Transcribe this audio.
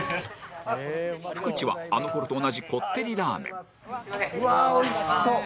ふくちはあの頃と同じこってりラーメンうわーおいしそう！